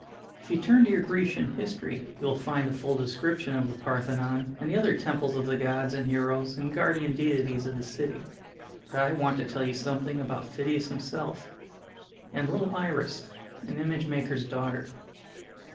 If you turn to your Grecian History you will find a full description of the Parthenon and the other temples of the gods and heroes and guardian deities of the city. But I want to tell you something about Phidias himself, and little Iris, an image maker's daughter.